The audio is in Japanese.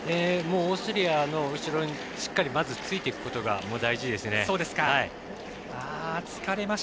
オーストリアの後ろにしっかりついていくことが大事ですね。